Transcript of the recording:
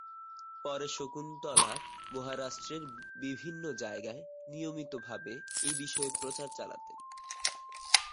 পরে শকুন্তলা মহারাষ্ট্রের বিভিন্ন জায়গায় নিয়মিত ভাবে এই বিষয়ে প্রচারচালাতেন।